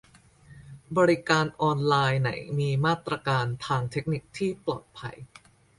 บริการออนไลน์ไหนมีมาตรการทางเทคนิคที่ปลอดภัย